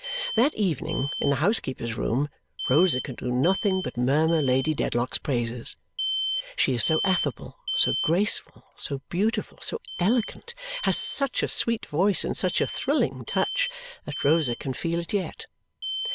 That evening, in the housekeeper's room, Rosa can do nothing but murmur Lady Dedlock's praises. She is so affable, so graceful, so beautiful, so elegant; has such a sweet voice and such a thrilling touch that Rosa can feel it yet!